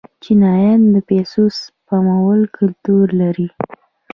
چینایان د پیسو سپمولو کلتور لري.